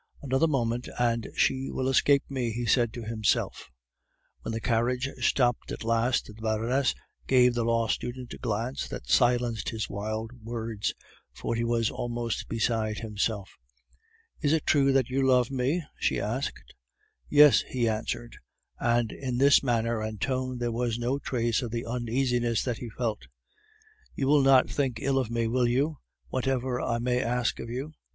"Another moment and she will escape me," he said to himself. When the carriage stopped at last, the Baroness gave the law student a glance that silenced his wild words, for he was almost beside himself. "Is it true that you love me?" she asked. "Yes," he answered, and in his manner and tone there was no trace of the uneasiness that he felt. "You will not think ill of me, will you, whatever I may ask of you?"